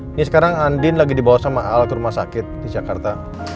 ini sekarang andin lagi dibawa sama al ke rumah sakit di jakarta